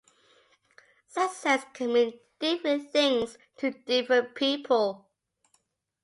Success can mean different things to different people.